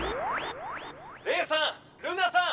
レイさんルナさん！